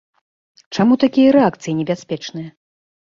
Чаму такія рэакцыі небяспечныя?